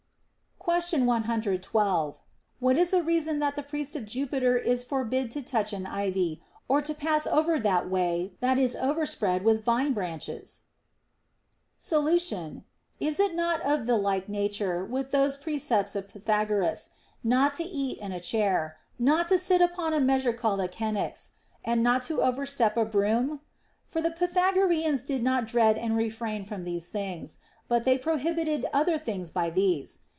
Question 1Γ2. What is the reason that the priest of Jupiter is forbid to touch an ivy, or to pass over that way that is overspread with vine branches 1 Solution. Is it not of the like nature with those pre cepts of Pythagoras, not to eat in a chair, not to sit upon a measure called a choenix, and not to step over a broom ? For the Pythagoreans do not dread and refrain from these things, but they prohibit other things by these.